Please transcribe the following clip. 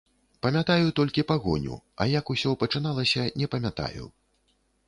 Памятаю толькі пагоню, а як усё пачыналася, не памятаю.